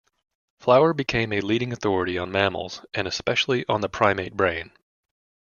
Flower became a leading authority on mammals, and especially on the primate brain.